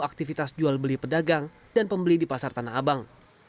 aktivitas jual beli pedagang dan pembeli di pasar tanah abang